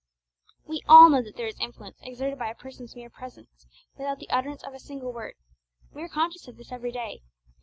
We all know that there is influence exerted by a person's mere presence, without the utterance of a single word. We are conscious of this every day.